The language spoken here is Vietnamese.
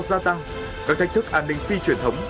gia tăng các thách thức an ninh phi truyền thống